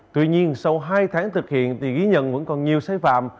tuy nhiên sau hai tháng thực hiện thì ghi nhận vẫn còn nhiều sai phạm